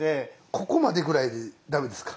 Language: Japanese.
ここまでぐらいでダメですか？